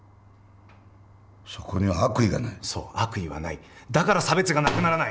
そこには悪意がないそう悪意はないだから差別がなくならない！